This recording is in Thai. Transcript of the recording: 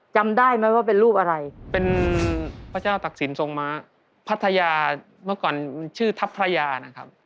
จำได้ไหมว่าเป็นรูปอะไรเป็นพระเจ้าตักศิลปทรงม้าพัทยาเมื่อก่อนชื่อทัพพระยานะครับ